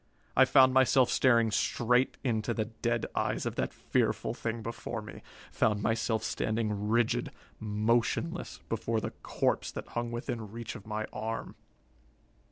I found myself staring straight into the dead eyes of that fearful thing before me, found myself standing rigid, motionless, before the corpse that hung within reach of my arm.